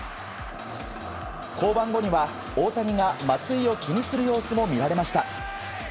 降板後には大谷が松井を気にする様子も見られました。